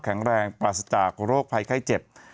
แรงปราศจากโรคภัยไข้เจ็บ